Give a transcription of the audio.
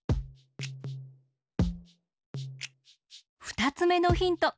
ふたつめのヒント